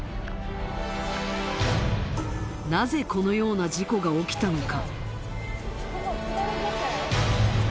なぜこのような事故が起きたのか？